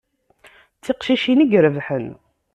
D tiqcicin i irebḥen.